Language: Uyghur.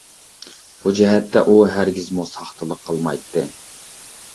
بۇ جەھەتتە ئۇ ھەرگىزمۇ ساختىلىق قىلمايتتى.